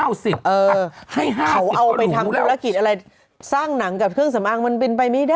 เอาสิให้ห้าวเอาไปทำธุรกิจอะไรสร้างหนังกับเครื่องสำอางมันเป็นไปไม่ได้